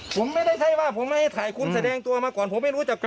ผมไม่ได้ใช่ว่าผมไม่ให้ถ่ายคุณแสดงตัวมาก่อนผมไม่รู้จักกัน